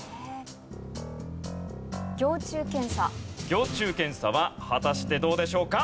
ぎょう虫検査は果たしてどうでしょうか？